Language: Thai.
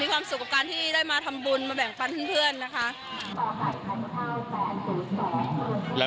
ความสุขกับการที่ได้มาทำบุญมาแบ่งปันเพื่อนนะคะ